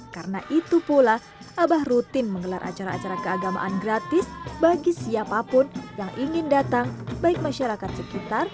karena itu pula abah rutin menggelar acara acara keagamaan gratis bagi siapapun yang ingin datang baik lagi ist enam puluh enam ortodokter di selatan sonja